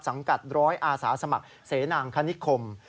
กัดร้อยอาสาสมัครเสนางคณิคม